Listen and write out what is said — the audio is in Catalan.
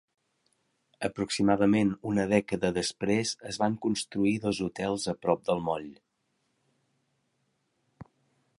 Aproximadament una dècada després, es van construir dos hotels a prop del moll.